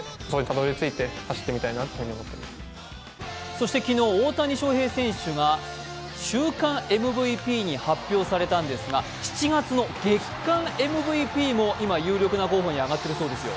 そして昨日、大谷翔平選手が週間ＭＶＰに選出されたんですが７月の月間ＭＶＰも今、有力な候補に挙がっているそうですよ。